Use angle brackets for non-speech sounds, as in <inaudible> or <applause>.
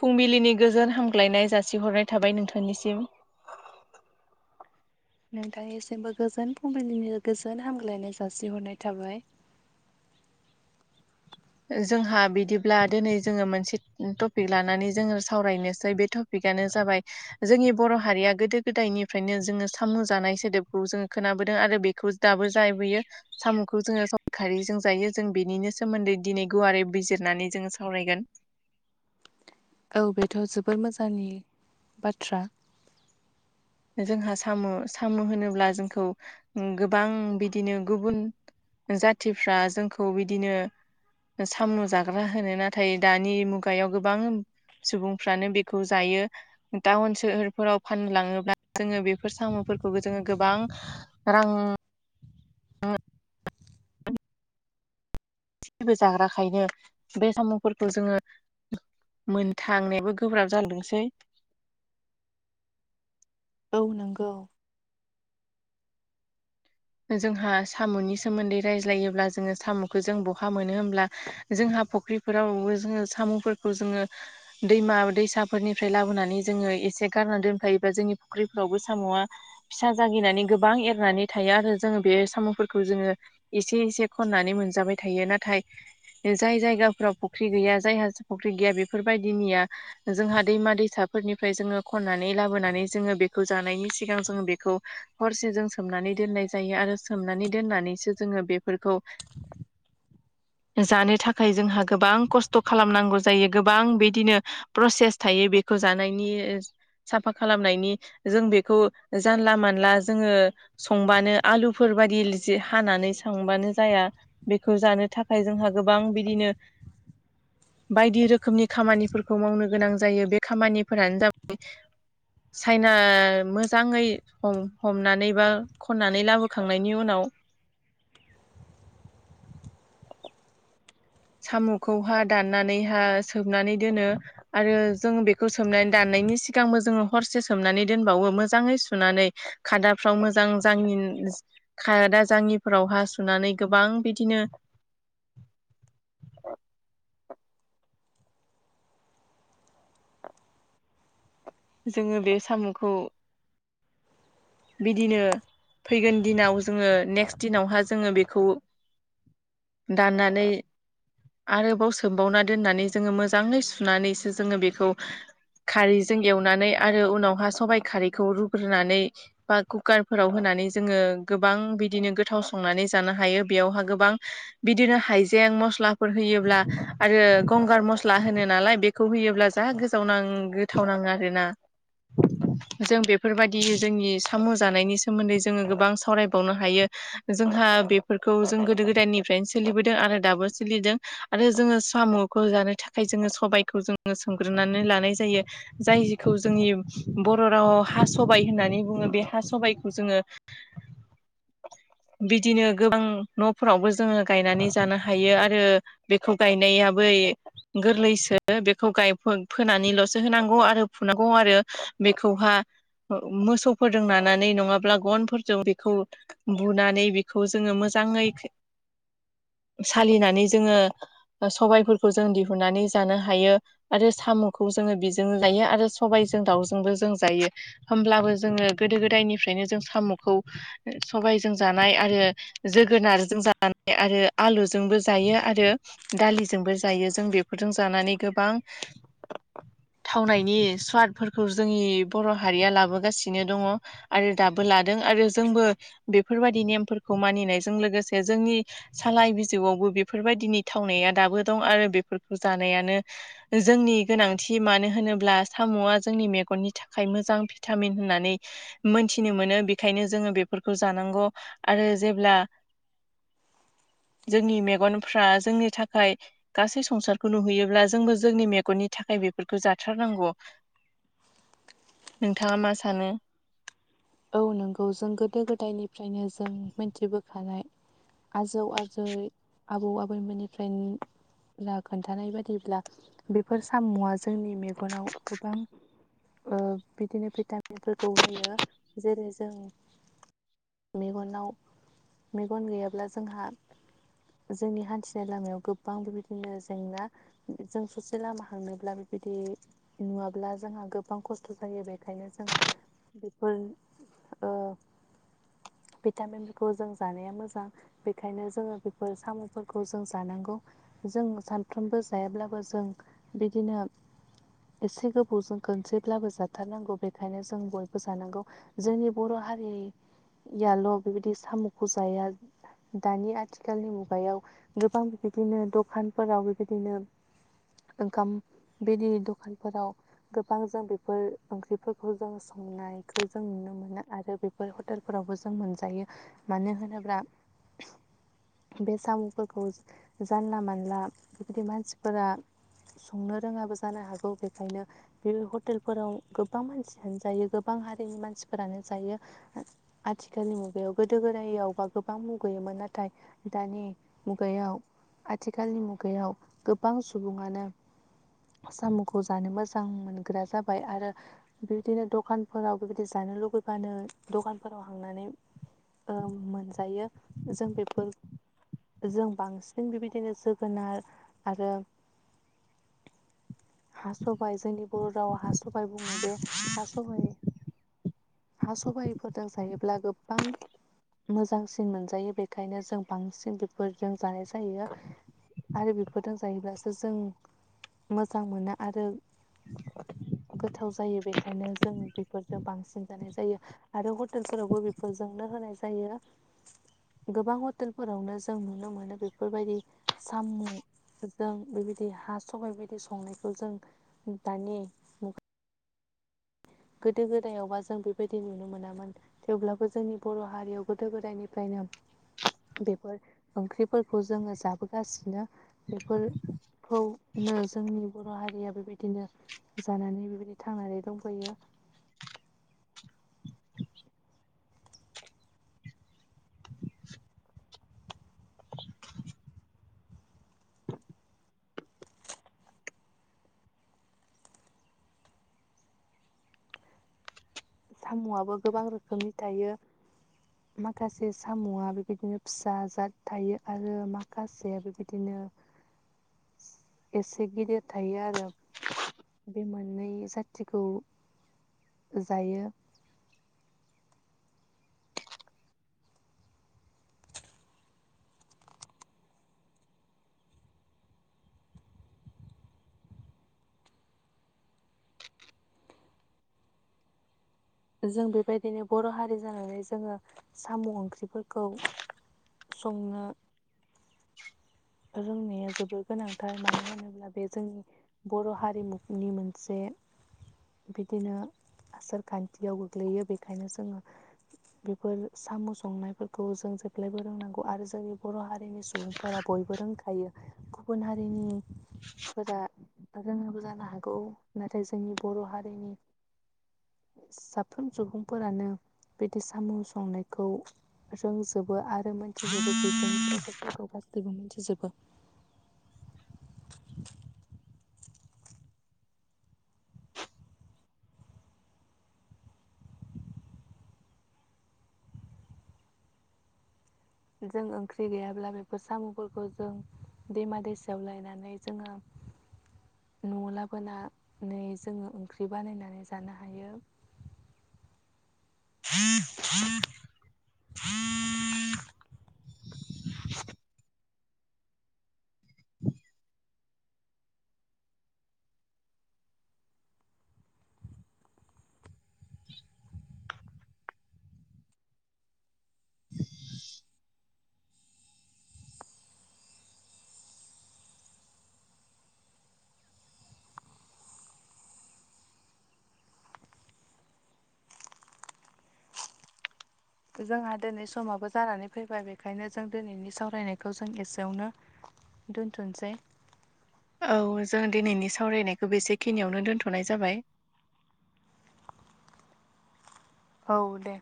फुंबिलिनि गोजोन हामग्लायनाय जासिहरनाय थाबाय नोंथांनिसिम नोंथांनिसिमबो गोजोन फुंबिलिनि गोजोन हामग्लायनाय जासिहरनाय थाबाय जोंहा बिदिब्ला दिनै जोङो मोनसे टपिक लानानै जोङो सावरायनोसै बे टपिक आनो जाबाय जोंनि बर' हारिया गोदो गोदायनिफ्रायनो जोङो सामु जानाय सोदोबखौ जोङो खोनाबो दों आरो बेखौ दाबो जाहबोयो साम'खौ जोङो सबाय खारिजों जायो जों बेनिनो सोमोनदै दिनै गुवारै बिजिरनानै जोङो सावरायगोन औ बेथ' जोबोर मोजांनि बाथ्रा जोंहा साम' साम' होनोब्ला जोंखौ गोबां बिदिनो गुबुन जाथिफ्रा जोंखौ बिदिनो सामु जाग्रा होनो नाथाय दानि मुगायाव गोबां सुबुंफ्रानो बेखौ जायो टाउन सोहोरफोराव फाननो लाङोब्ला जोङो बेफोर साम'फोरखौबो जोङो गोबां रां <unintelligible> जाग्राखायनो बे साम'फोरखौ जोङो मोननो थांनायाबो गोब्राब जादोंसै औ नंगौ जोंहा साम'नि सोमोनदै रायज्लायोब्ला जोङो साम'खौ जों बहा मोनो होमब्ला जोंहा हा फुख्रिफोरावबो जोङो साम'फोरखौ जोङो दैमा दैसाफोरनिफ्राय लाबोनानै जोङो एसे गारना दोनफायोबा जोंनि फुख्रिफोरावबो साम'या फिसा जागिनानै गोबां एरनानै थायो आरो जोङो बे साम'फोरखौ जोङो एसे एसे खनानै मोनजाबाय थायो नाथाय जाय जाय जायगाफ्राव फुख्रि गैया जायहा फुख्रि गैया बेफोरबायदिनिया जोंहा दैमा दैसाफोरनिफ्राय जोङो खननानै लाबोनानै जोङो बेखौ जानायनि सिगां जों बेखौ हरसे जों सोमनानै दोननाय जायो आरो सोमनानै दोननानैसो जोङो बेफोरखौ जानो थाखाय जोंहा गोबां खस्थ' खालामनांगौ जायो गोबां बिदिनो प्रसेस थायो बे खौ जानायनि साफा खालामनायनि जों बेखौ जानला मानला जोंङो संबानो आलुफोर बायदि जि हानानै संबानो जाया बेखौ जानो थाखाय जोंहा गोबां बिदिनो <inaudible> बायदि रोखोमनि खामानिफोरखौ मावनो गोनां जायो बे खामानिफोरानो जाबाय साइना मोजांङै हमनानै बा खनना लाबोखांनायनि उनाव साम'खौहा दाननानैहा सोमनानै दोनो आरो जों बेखौ सोबनानै दान नायनि सिगांबो जोंङो हरसे सोमनानै दोनबावो मोजांङै सुनानै खादाफ्राव मोजां जाङि खादा जाङिफोराव हा सुनानै गोबां बिदिनो औ जोंङो बे साम'खौ बिदिनो फैगोन दिनाव जोंङो नेक्स्ट दिनावहा जोंङो बेखौ दाननानै आरोबाव सोमबावना दोननानै जोंङो मोजाङै सुनानैसो जोंङो बेखौ खारैजों एवनानै आरो उनावहा सबाइ खारैखौ रुग्रोनानै बा कुकारफोराव होनानै जोंङो गोबां बिदिनो गोथाव संनानै जानो हायो बेयावहा गोबां बिदिनो हाइजें मस्लाफोर होयोब्ला आरो गंगार मस्ला होनो नालाय बेखौ होयोब्ला गोजावना गोथावनाङो आरोना जों बेफोरबायदि जोंनि साम' जानायनि सोमोन्दै जोंङो गोबां सावरायबावनो हायो जोंहा बेफोरखौ जों गोदो गोदायनिफ्राय सोलिबोदों आरो दाबो सोलिदों आरो जोंङो साम'खौ जानो थाखाय जोंङो सबायखौ जोंङो सोम ग्रोनानै लानाय जायो जायखौ जोंनि बर' रावाव हा सबाय होननानै बुंङो बे सबायखौ जोंङो बिदिनो गोबां न'फोरावबो जोंङो गायनानै जानो हायो आरो बेखौ गायनायाबो गोरलैसो बेखौ फानैल'सो होनांगौ आरो फुनांगौ आरो खौहा ओ मोसौफोर रोंनानै नङाब्ला गनफोरजों बेखौ बुनानै बेखौ जोंङो मोजांङै <inaudible> सालिनानै जोंङो ओ सबायफोरखौ जों दिहुननानै जानो हायो आरो साम'खौ जो बिजोंनो जायो आरो सबायजों दाउजोंबो जों जायो होमब्लाबो जोंङो गोदो गोदायनिफ्रायनो जों साम'खौ सबायजों जानाय आरो जोगोनारजों जा आरो आलुजोंबो जायो आरो दालिजोंबो जायो जों बेफोरजों जानानै गोबां थावनायनि स्वादफोरखौ जोंनि बर' हारिया लाबोगासिनो दङ आरो दाबो लादों आरो जोंबो बेफोरबायदि नेमफोरखौ मानिनायजों लोगोसे जोंनि सालाय बिजौआवबो बेफोरबायदिनि थावनाया दाबो दं आरो बेफोरखौ जानायानो जोंनि गोनांथि मानो होनोब्ला साम'आ जोंनि मेगननि थाखाय मोजां भिटामिन होननानै मोनथिनो मोनो बेखायनो जोंङो बेफोरखौ जानांगौ आरो जेब्ला <inaudible> जोंनि मेगनफ्रा जोंनि थाखाय गासै संसारखौ नुहैयोब्ला जोंबो जोंनि मेगननि था खाय बेफोरखौ जाथारनांगौ। नोंथांङा मा सानो? औ नोंगौ जों गोदो गोदायनिफ्रायनो जों मिनथिबोखानाय आजौ आजै आबौ आबैमोननिफ्रायन ब्ला खोन्थानाय बायदिब्ला बेफोर साम'आ जोंनि मेगनाव गोबां ओ बिदिनो भिटामिनफोरखौ होयो जेरै जों मेगनाव मेगन गैयाब्ला जोंहा जोंनि हान्थिनाय लामायाव गोबां बेबायदिनो जेंना जों ससे लामा हांनोब्ला बि बिदि नुवाब्ला जोंहा गोबां खस्थ' जायो बेखायनो जों बि मोन ओ <inaudible> भिटामिनफोरखौ जों जानाया मोजां बेखायनो जोङो बेफोर साम'फोरखौ जों जानांगौ। जों सानफ्रोमबो जायाब्लाबो जों बिदिनो एसे गोबावजों खनसेब्लाबो जाथारनांगौ बेखायनो जों बयबो जानांगौ जोंनि बर' हारि याल' बेबायदि साम'खौ जाया। दानि आथिखालनि मुगायाव गोबां बेबायदिनो द'खानफोराव बेबायदिनो ओंखाम बिदि दखानफोराव गोबां जों बेफोर ओंख्रिफोरखौ जों संनाय खौ जों नुनो मोनो आरो बेफोर हटेलफोरावबो जों मोनजायो। मानो होनोब्ला <inaudible> बे साम'फोरखौ जानला-मानला बेबायदि मानसिफोरा संनो रोङाबो जानो हागौ बेखायनो बे हटेलफोराव गोबां मानसियानो जायो गो बां हारिनि मानसिफोरानो जायो आथिखालनि मुगायाव गोदो गोदायावबा गोबां मुगैयो मो नाथाय दानि मुगायाव आथिखालनि मुगायाव गोबां सुबुङानो साम'खौ जानो मोजां मोनग्रा जाबाय आरो बिबिदिनो दखान फोराव बेबायदि जानो लुबैबानो दखानफोराव हांनानै ओ मोनजायो जों बेफोर जों बांसिन बेबायदिनो जोगोनार आरो हा स'बाइ जोंनि बर' रावा हा स'बाइ बुङो। बे हा स'बाइ हा सबाइफोरजों जायोब्ला गोबां मोजांसिन मोनजायो बेखायनो जों बांसिन बेफोरजों जानाय जायो। आरो बेफोरजों जायोब्लासो जों मोजां मोना आरो गोथाव जायो बेखायनो जों बि फोरजों बांसिन जानाय जायो आरो हटेलफोरावबो बेफोरजोंनो होनाय जायो। गोबां हटेलफोरावनो जों नुनो मोनो बेफोरबायदि सामु जों बेबायदि हा सबाइबायदि संनायखौ जों दानि मु गोदो गोदायावबा जों बेबायदि नुनो मोनामोन थेवब्लाबो जोंनि बर' हारियाव गोदो गोदायनिफ्राय नो बेफोर ओंख्रिफोरखौ जोङो जाबोगासिनो। बेफोर खौनो जोंनि बर' हारिया बेबायदिनो जानानै बेबायदि थांनानै दंफैयो। साम'आबो गोबां रोखोमनि थायो। माखासे सामुआ बेबायदिनो फिसा जाद थायो आरो माखासेया बेबायदिनो <inaudible> एसे गिदिर थायो आरो। बे मोननै जाथिखौ जायो। जों बेबायदिनो बर' हारि जानानै जोङो साम' ओंख्रिफोरखौ संनो <inaudible> रोंनाया जोबोर गोनांथार मानो होनोब्ला बे जोंनि बर' हारिमुनि मोनसे बिदिनो आसार खान्थियाव गोग्लैयो बेखायनो जोङो बेफोर साम' संनायफोरखौ जों जेब्लायबो रोंनांगौ आरो जोंनि बर' हारिनि सुबुंफोरा बय बयबो रोंखायो गुबुन हारिनि फोरा रोङाबो जानो हागौ नाथाय जोंनि बर' हारिनि साफ्रोम सुबुंफोरानो बिदि साम' संनायखौ रोंजोब बो आरो मोनथिजोबो बेफोरनि <unintelligible> <unintelligible> गासैबो मिनथिजोबो। जों ओंख्रि गैयाब्ला बेफोर साम'फोरखौ जों दैमा-दैसायाव लायनानै जोङो <inaudible> न'आव लाबोना नै जोङो ओंख्रि बानायनानै जानो हायो। <inaudible> <inaudible> <inaudible> <inaudible> जोंहा दोनै समाबो जानानै फैबाय बेखायनो जों दोनैनि सावरायनायखौ जों एसेयावनो दोनथ'नसै। औ जों दिनैनि सावरायनायखौ बेसे खिनियावनो दोनथ'नाय जाबाय। <inaudible> औ दे